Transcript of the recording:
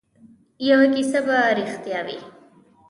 یوه کیسه به ریښتیا وي.